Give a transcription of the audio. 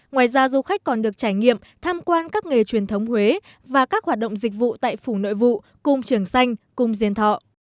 ngoài ra du khách còn được trải nghiệm tham quan các nghề truyền thống huế và các hoạt động dịch vụ tại phủ nội vụ cung trường xanh cung riêng thọ